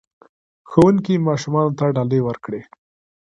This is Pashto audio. ښوونکي ماشومانو ته ډالۍ ورکړې.